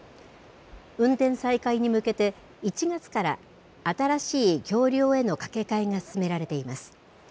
運転再開に向けて、１月から新しい橋りょうへの架け替えが進められています。